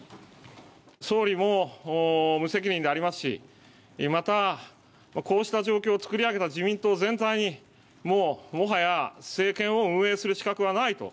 総理も無責任でありますし、また、こうした状況を作り上げた自民党全体に、もう、もはや政権を運営する資格はないと。